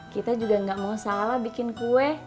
kita juga gak mau salah bikin kue